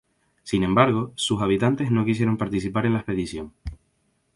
Sin embargo, sus habitantes no quisieron participar en la expedición.